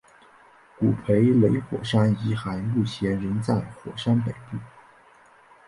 古培雷火山遗骸目前仍在火山北部。